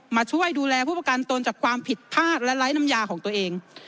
มาช่วยดูแลผู้ประกันตนจากความผิดพลาดและไร้น้ำยาของตัวเอง